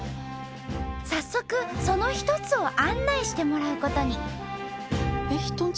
早速その一つを案内してもらうことに。